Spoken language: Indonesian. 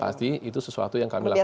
pasti itu sesuatu yang kami lakukan